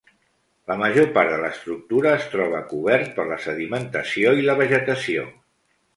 La major part de l'estructura es troba cobert per la sedimentació i la vegetació.